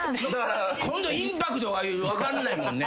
今度インパクトが分からないもんね。